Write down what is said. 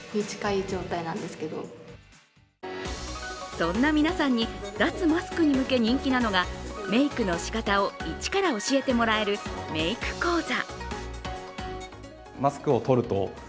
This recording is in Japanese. そんな皆さんに、脱マスクに向け人気なのがメイクのしかたを一から教えてもらえるメイク講座。